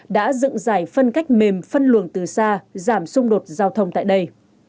đã dựng giải phân cách mềm phân luồng từ xa giảm xung đột giao thông tại đây